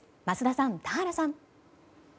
桝田さん、田原さん。